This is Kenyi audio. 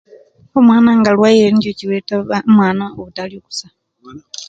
Omwaana nga alwaire niikyo ekiretera omwaana obutalya okusa.